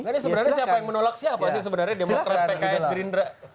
jadi sebenarnya siapa yang menolak siapa sih